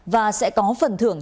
và sẽ có phần thưởng